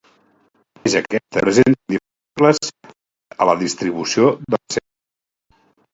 Tanmateix aquestes, presenten diferències notables respecte a la distribució de les seves obertures.